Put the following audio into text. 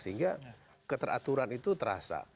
sehingga keteraturan itu terasa